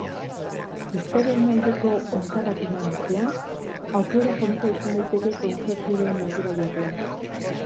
Euskararen aldeko oinkadak eman ostean, aukera polita izan daiteke kontzerturen batera joatea.